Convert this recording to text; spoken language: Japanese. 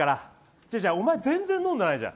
違う違うお前全然飲んでないじゃん。